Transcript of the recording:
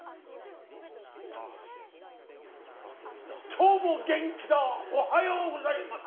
今日も元気だおはようございます！